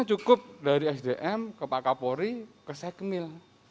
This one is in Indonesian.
cukup dari sdm ke pak kapolri ke sekmil